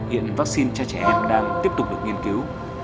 hiện vắc xin cho trẻ em đang tiếp tục được nghiên cứu